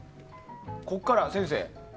ここから先生。